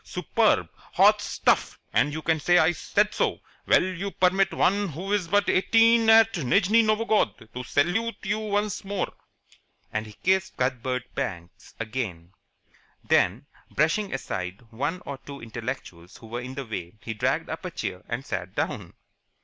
Grand! Superb! Hot stuff, and you can say I said so! Will you permit one who is but eighteen at Nijni Novgorod to salute you once more?" And he kissed Cuthbert again. Then, brushing aside one or two intellectuals who were in the way, he dragged up a chair and sat down.